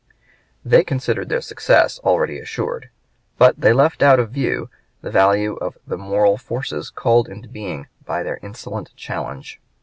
They considered their success already assured; but they left out of view the value of the moral forces called into being by their insolent challenge.